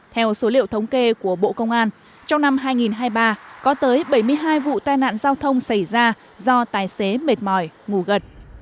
theo số liệu thống kê của bộ công an trong năm hai nghìn hai mươi ba có tới bảy mươi hai vụ tai nạn giao thông xảy ra do tài xế mệt mỏi ngủ gật